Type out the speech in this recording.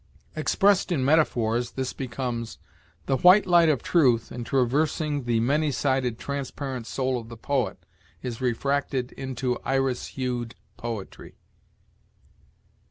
Expressed in metaphors, this becomes: "The white light of truth, in traversing the many sided, transparent soul of the poet, is refracted into iris hued poetry."